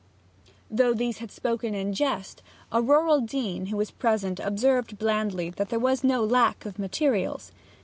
Though these had spoken in jest, a rural dean who was present observed blandly that there was no lack of materials.